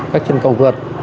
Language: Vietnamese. các chân cầu vượt